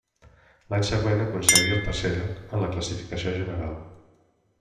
L'any següent aconseguí el tercer lloc en la classificació general.